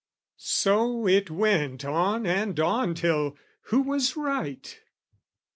So it went on and on till who was right?